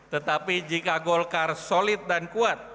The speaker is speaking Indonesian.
tetapi jika golkar solid dan kuat